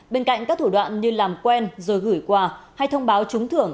bên cạnh các thủ đoạn như làm quen rồi gửi quà hay thông báo trúng thưởng